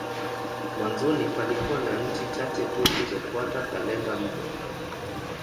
Mwanzoni palikuwa na nchi chache tu zilizofuata kalenda mpya.